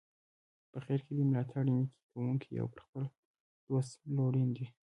په خیر کې دي ملاتړی، نیکي کوونکی او پر خپل دوست لورین وي.